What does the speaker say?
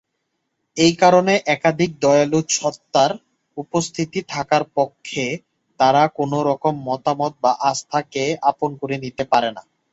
এই কারণে একাধিক দয়ালু সত্তার উপস্থিতি থাকার পক্ষে তারা কোন রকম মতামত বা আস্থা কে আপন করে নিতে পারে না।